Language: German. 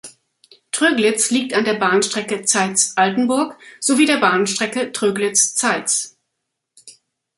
Tröglitz liegt an der Bahnstrecke Zeitz–Altenburg sowie der Bahnstrecke Tröglitz–Zeitz.